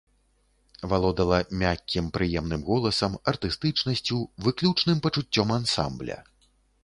Валодала мяккім прыемным голасам, артыстычнасцю, выключным пачуццём ансамбля.